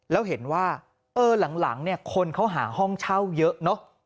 แล้วเห็นว่าหลังคนเขาหาห้องเช่าเยอะ